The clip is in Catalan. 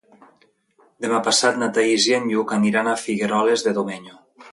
Demà passat na Thaís i en Lluc aniran a Figueroles de Domenyo.